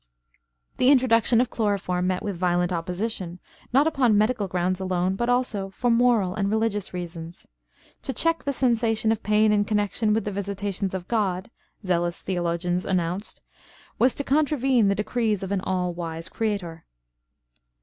] The introduction of chloroform met with violent opposition, not upon medical grounds alone, but also for moral and religious reasons. "To check the sensation of pain in connection with the visitations of God," zealous theologians announced, "was to contravene the decrees of an all wise Creator."